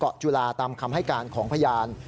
จุฬาตามคำให้การของพยาน